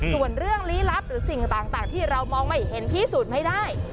ส่วนเรื่องลี้ลับหรือสิ่งต่างที่เรามองไม่เห็นพิสูจน์ไม่ได้